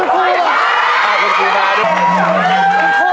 คุณผู้